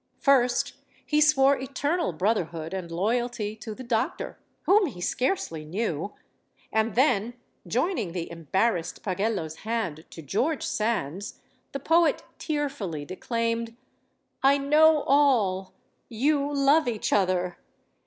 First he swore eternal brotherhood and loyalty to the doctor whom he scarcely knew and then, join ing the embarrassed Pagello's hand to George Sand's, the poet tearfully declaimed: "I know all. You love each other.